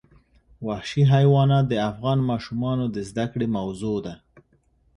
وحشي حیوانات د افغان ماشومانو د زده کړې موضوع ده.